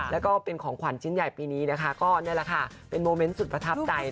แล้วก็เป็นของขวัญชิ้นใหญ่ปีนี้นะคะก็นี่แหละค่ะเป็นโมเมนต์สุดประทับใจ